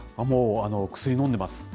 もう薬飲んでます。